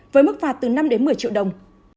với mức phạt từ năm đến một mươi triệu đồng